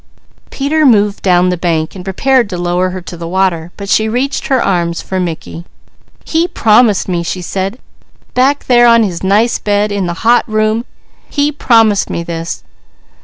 Peter moved down the bank and prepared to lower her to the water, but she reached her arms for Mickey. "He promised me," she said. "Back there on his nice bed in the hot room he promised me this."